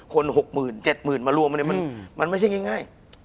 ๖๐๐๐๗๐๐๐มารวมมันไม่ใช่ง่าย